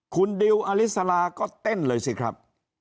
คุณดิวอลิสลาก็เต้นเลยสิครับ